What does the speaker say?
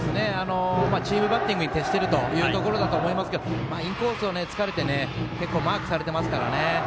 チームバッティングに徹しているということだと思いますけどインコースをつかれて結構、マークされてますからね。